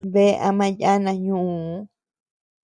Bea ama yana ñuʼuu.